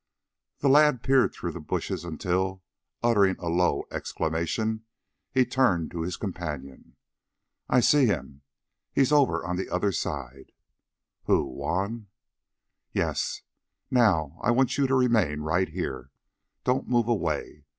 The lad peered through the bushes until, uttering a low exclamation, he turned to his companion. "I see him. He's over on the other side " "Who? Juan?" "Yes. Now I want you to remain right here. Don't move away.